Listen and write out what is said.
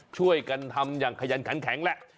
ช่วยกันทำอย่างขยันขันแข็งแหละ